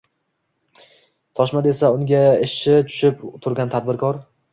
Toshmat esa unga ishi tushib turgan tadbirkor.